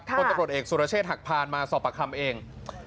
คนตำรวจเอกสุรเชษฐหักพานมาสอบประคำเอง